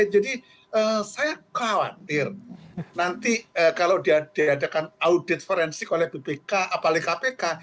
jadi saya khawatir nanti kalau diadakan audit forensik oleh bpk apalagi kpk